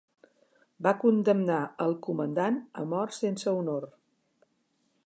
Va condemnar el comandant a mort sense honor.